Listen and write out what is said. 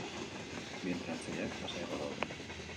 Bi entrenatzaileak, lasaiago daude.